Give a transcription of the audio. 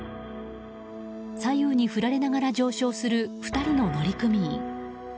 左右に振られながら上昇する２人の乗組員。